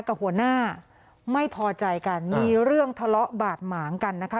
กับหัวหน้าไม่พอใจกันมีเรื่องทะเลาะบาดหมางกันนะคะ